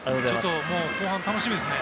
後半も楽しみですね。